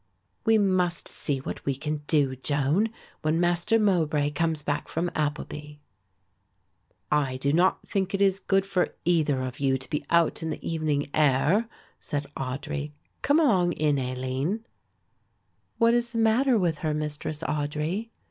"We must see what we can do, Joan, when Master Mowbray comes back from Appleby." "I do not think it is good for either of you to be out in the evening air," said Audry. "Come along in, Aline." "What is the matter with her, Mistress Audry?"